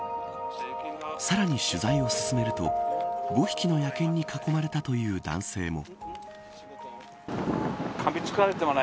さらに取材を進めると５匹の野犬に囲まれたという男性も。